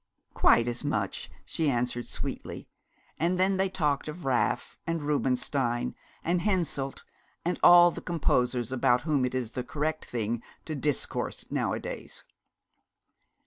'Quite as much,' she answered sweetly, and then they talked of Raff, and Rubenstein, and Henselt, and all the composers about whom it is the correct thing to discourse nowadays.